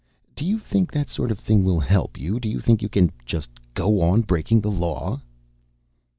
"Do you think that sort of thing will help you? Do you think you can just go on breaking the law?"